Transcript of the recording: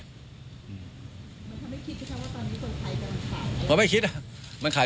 มันทำให้คิดนะครับว่าตอนนี้คนไข่ก็ขาย